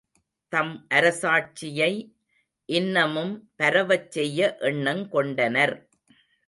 தம் அரசாட்சியை.இன்னமும் பரவச் செய்ய எண்ணங்கொண்டனர்.